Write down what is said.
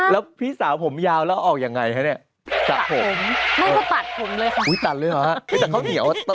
ไม่ได้ตลกเป็นคนตลกตลอดเวลาขึ้นไหนแล้ว